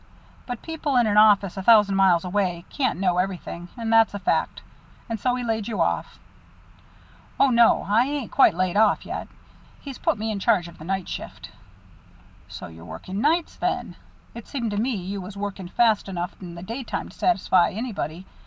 But people in an office a thousand miles away can't know everything, and that's a fact. And so he laid you off." "Oh, no, I ain't quite laid off yet. He's put me in charge of the night shift." "So you're working nights, then? It seemed to me you was working fast enough in the daytime to satisfy anybody.